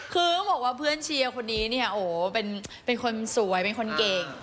คือต้องบอกว่าเพื่อนเชียร์คนนี้เนี่ยโอ้โหเป็นคนสวยเป็นคนเก่ง